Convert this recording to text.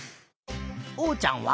おうちゃんは？